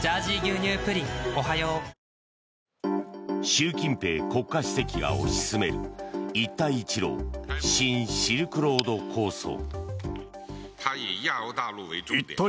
習近平国家主席が推し進める一帯一路、新シルクロード構想。